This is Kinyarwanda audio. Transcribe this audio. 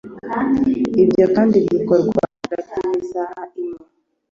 Ibyo kandi bikorwa hagati yisaha imwe